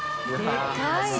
でかい。